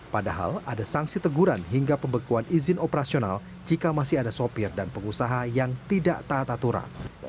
padahal ada sanksi teguran hingga pembekuan izin operasional jika masih ada sopir dan pengusaha yang tidak taat aturan